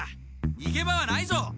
にげ場はないぞ！